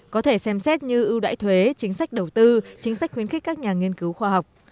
có thể xem xét như ưu đãi thuế chính sách đầu tư chính sách khuyến khích các nhà nghiên cứu khoa học